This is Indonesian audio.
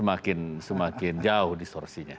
bahkan semakin jauh distorsinya